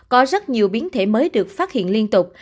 có rất nhiều biến thể mới được phát hiện liên tục